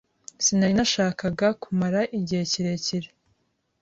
Sinari nashakaga kumara igihe kirekire.